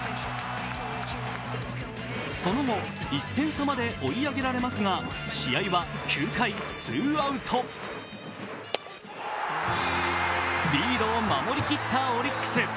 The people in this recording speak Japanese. その後、１点差まで追い上げられますが、試合は９回、ツーアウトリードを守りきったオリックス。